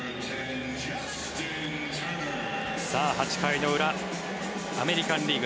８回の裏アメリカン・リーグ